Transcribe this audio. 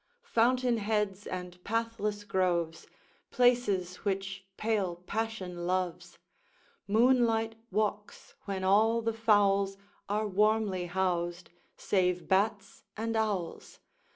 Fountain heads, and pathless groves, Places which pale passion loves! Moonlight walks when all the fowls Are warmly housed, save bats and owls!